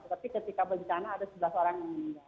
tapi ketika bencana ada sebelas orang yang meninggal